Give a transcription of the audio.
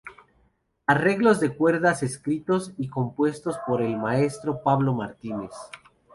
Arreglos de cuerdas escritos y compuestos por el Maestro Pablo Martínez